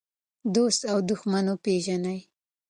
دوست او دښمن وپېژنئ.